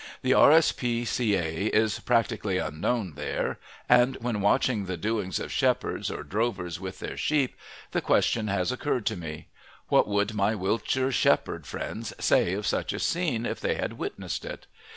The R.S.P.C.A. is practically unknown there, and when watching the doings of shepherds or drovers with their sheep the question has occurred to me, What would my Wiltshire shepherd friends say of such a scene if they had witnessed it?